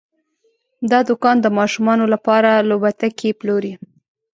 دا دوکان د ماشومانو لپاره لوبتکي پلوري.